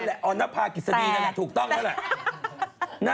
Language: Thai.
เออนภากฤษฎีถูกต้องพูดเนี่ย